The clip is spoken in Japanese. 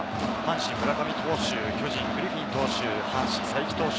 阪神・村上投手、巨人・グリフィン投手、阪神・才木投手、